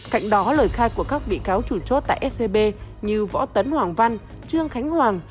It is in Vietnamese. cạnh đó lời khai của các bị cáo chủ chốt tại scb như võ tấn hoàng văn trương khánh hoàng